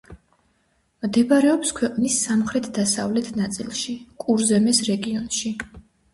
მდებარეობს ქვეყნის სამხრეთ-დასავლეთ ნაწილში, კურზემეს რეგიონში.